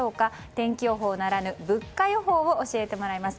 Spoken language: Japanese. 天気予報ならぬ物価予報を教えてもらいます。